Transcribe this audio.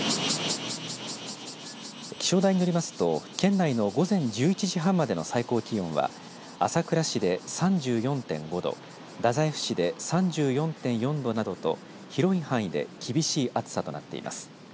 気象台によりますと県内の午前１１時半までの最高気温は朝倉市で３４．５度太宰府市で３４．４度などと広い範囲で厳しい暑さとなっています。